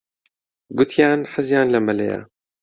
گوتیان حەزیان لە مەلەیە.